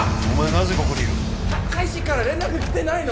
なぜここにいる大使から連絡きてないの？